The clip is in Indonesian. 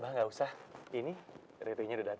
bang gak usah ini riri nya udah dateng